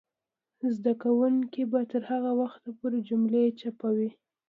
زده کوونکې به تر هغه وخته پورې مجلې چاپوي.